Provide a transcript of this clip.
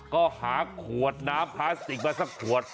ก็หาขวดน้ำพลาสติกมาสักขวด